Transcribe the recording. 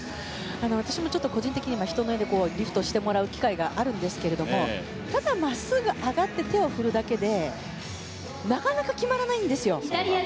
私も個人的に人前でリフトしてもらう機会があるんですけどただ、真っすぐ上がって手を振るだけでなかなか決まらないんですよ。